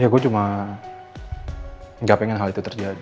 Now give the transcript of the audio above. ya saya cuma tidak ingin hal itu terjadi